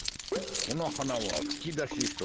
このはなはふきだし草。